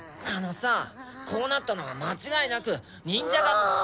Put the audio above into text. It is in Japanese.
あのさこうなったのは間違いなくニンジャガム。